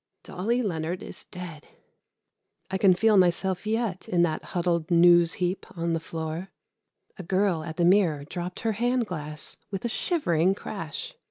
"Dolly Leonard is dead." I can feel myself yet in that huddled news heap on the floor. A girl at the mirror dropped her hand glass with a shivering crash.